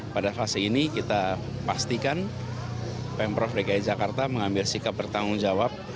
pada fase ini kita pastikan pemprov dki jakarta mengambil sikap bertanggung jawab